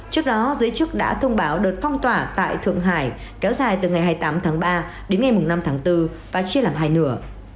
trước đó giới chức đã thông báo đợt phong tỏa tại thượng hải kéo dài từ ngày hai mươi tám tháng ba đến ngày năm tháng bốn và chia làm hai nửa